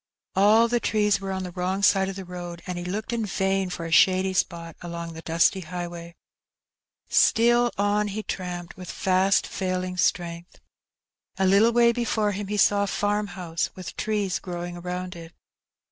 All the trees were on the wrong side of the road^ and he looked in vain for a shady spot along the dusty highway. Still on he tramped, with fast failing strength. A little way before him he saw a farmhonsOj with trees growing around it.